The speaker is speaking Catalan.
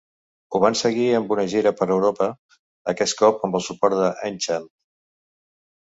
Ho van seguir amb una gira per Europa, aquest cop amb el suport d'Enchant.